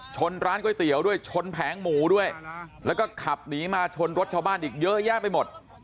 ร้านก๋วยเตี๋ยวด้วยชนแผงหมูด้วยแล้วก็ขับหนีมาชนรถชาวบ้านอีกเยอะแยะไปหมด